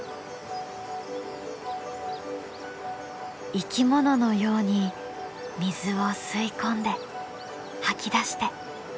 生き物のように水を吸い込んで吐き出して。